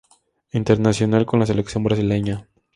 Internacional con la selección brasileña.